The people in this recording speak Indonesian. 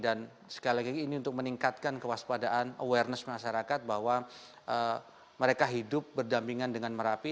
dan sekali lagi ini untuk meningkatkan kewaspadaan awareness masyarakat bahwa mereka hidup berdampingan dengan merapi